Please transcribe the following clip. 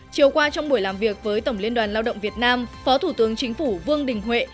chiều qua trong buổi làm việc với tổng liên đoàn lao động việt nam phó thủ tướng chính phủ vương đình huệ